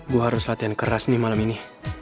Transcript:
gue harus latihan keras nih malam ini